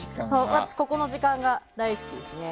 私、ここの時間が大好きですね。